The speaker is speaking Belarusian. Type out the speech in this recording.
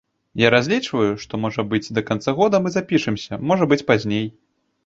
Я разлічваю, што, можа быць, да канца года мы запішамся, можа быць пазней.